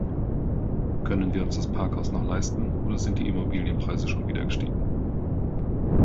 Können wir uns das Parkhaus noch leisten oder sind die Immobilienpreise schon wieder gestiegen?